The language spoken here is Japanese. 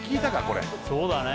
これそうだね